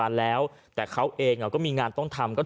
และยืนยันเหมือนกันว่าจะดำเนินคดีอย่างถึงที่สุดนะครับ